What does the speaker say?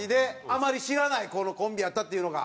あまり知らないこのコンビやったっていうのが。